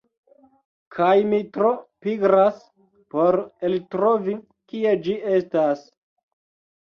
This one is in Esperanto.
Kaj mi tro pigras por eltrovi kie ĝi estas.